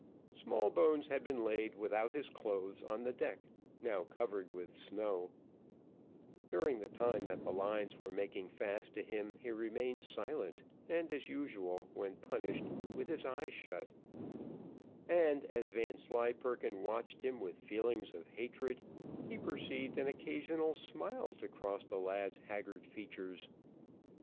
Smallbones had been laid without his clothes on the deck, now covered with snow, during the time that the lines were making fast to him; he remained silent, and as usual, when punished, with his eyes shut, and as Vanslyperken watched him with feelings of hatred, he perceived an occasional smile to cross the lad's haggard features.